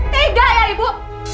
tidak ya ibu